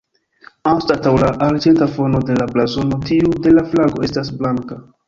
Anstataŭ la arĝenta fono de la blazono tiu de la flago estas blanka.